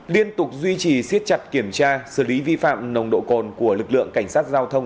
liên tục duy trì siết chặt kiểm tra xử lý vi phạm nồng độ cồn của lực lượng cảnh sát giao thông